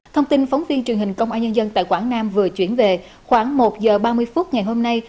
thông tin phóng viên truyền hình công an nhân dân tại quảng nam vừa chuyển về khoảng một giờ ba mươi phút ngày hôm nay